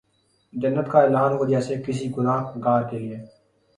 جنت کا اعلان ہو جیسے کسی گناہ گار کیلئے